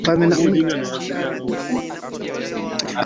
ambapo watemi wao walikuwa wa ukoo wa Bhatimba